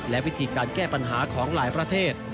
และวิธีการแก้ปัญหาของหลายประเทศ